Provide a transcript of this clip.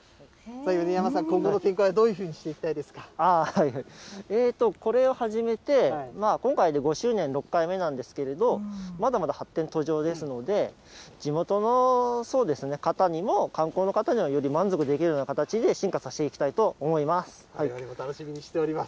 米山さん、今後の展開はどういうこれを始めて、今回で５周年、６回目なんですけど、まだまだ発展途上ですので、地元の、そうですね、方にも、観光の方にもより満足できるような形で進化させて楽しみにしております。